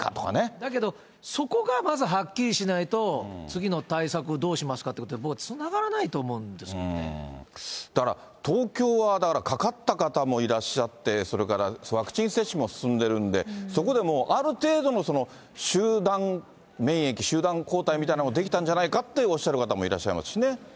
だけど、そこがまずはっきりしないと、次の対策をどうしますかっていうことに、僕はつながらないと思うだから、東京はかかった方もいらっしゃって、それから、ワクチン接種も進んでるんで、そこでもうある程度の集団免疫、集団抗体みたいなものが出来たんじゃないかっておっしゃる方もいらっしゃいますしね。